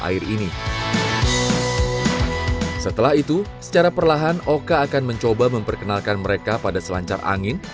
air ini setelah itu secara perlahan oka akan mencoba memperkenalkan mereka pada selancar angin